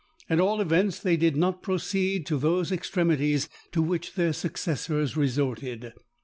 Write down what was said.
At all events, they did not proceed to those extremities to which their successors resorted.